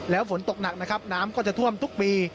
แล้วฝนตกหนักนะครับน้ำก็จะท่วมทุกปี